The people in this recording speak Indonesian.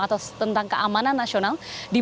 atau tentang keamanan nasional